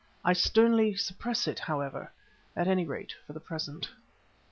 I sternly suppress it, however, at any rate for the present.